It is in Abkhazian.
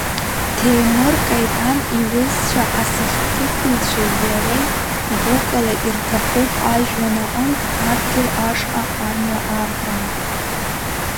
Ҭемыр Каитан иҩызцәа асахьаҭыхыҩцәеи иареи гәыкала ирҭахуп ажәҩан аҟынтә адгьыл ашҟа амҩа аартра.